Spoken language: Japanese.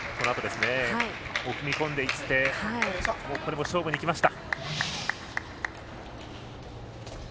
踏み込んでいって勝負にいきました。